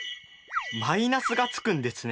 マイナスがつくんですね。